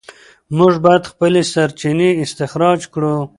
موږ باید خپلې سرچینې استخراج کړو.